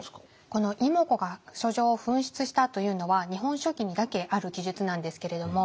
この妹子が書状を紛失したというのは「日本書紀」にだけある記述なんですけれども。